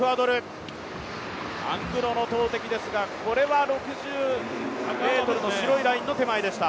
アングロの投てきですが、これは６０ｍの白いラインの手前でした。